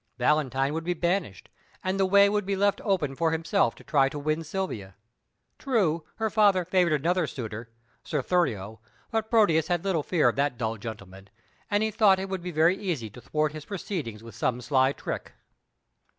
Valentine would be banished, and the way would then be left open for himself to try to win Silvia. True, her father favoured another suitor, Sir Thurio, but Proteus had little fear of that dull gentleman, and he thought it would be very easy to thwart his proceedings with some sly trick.